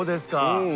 うん。